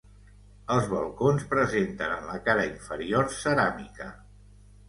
Els balcons presenten en la cara inferior ceràmica.